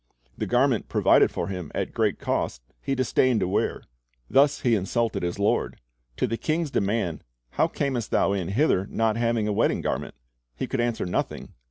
The garment provided for him at great cost he disdained to wear. Thus he insulted his lord. To the king's demand, "How earnest thou in hither not having a wedding garment?" he could answer nothing.